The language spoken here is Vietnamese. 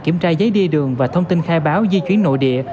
kiểm tra giấy đi đường và thông tin khai báo di chuyển nội địa